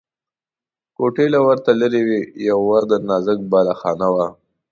کوټې له ورته لرې وې، پر ور د نازک بالاخانه وه.